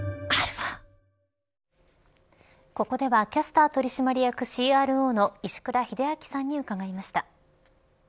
ここではキャスター取締役ＣＲＯの石倉秀明さんに伺いました。